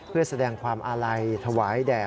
เพื่อแสดงความอาลัยถวายแด่